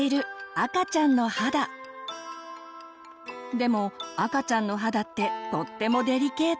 でも赤ちゃんの肌ってとってもデリケート。